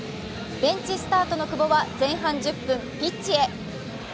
ベンチスタートの久保は前半１０分、ピッチへ。